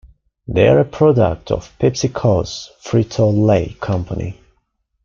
They are a product of PepsiCo's Frito-Lay company.